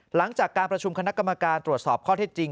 หลังจากการประชุมคณะกรรมการตรวจสอบข้อเท็จจริง